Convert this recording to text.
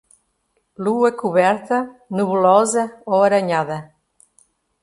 Lua coberta, nebulosa ou arranhada.